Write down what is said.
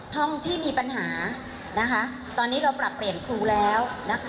ห้องที่มีปัญหานะคะตอนนี้เราปรับเปลี่ยนครูแล้วนะคะ